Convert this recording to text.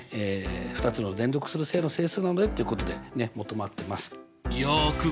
「２つの連続する正の整数なので」っていうことでねっ求まってます。